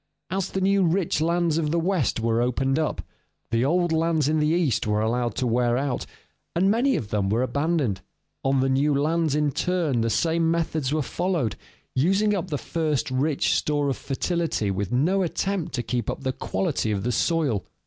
As the new rich lands of the West were opened up, the old lands in the East were allowed to wear out, and many of them were abandoned. On the new lands in turn the same methods were followed, using up the first rich store of fertility with no attempt to keep up the quality of the soil.